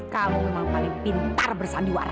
kamu memang paling pintar bersanduara